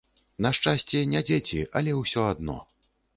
На шчасце, не дзеці, але ўсё адно.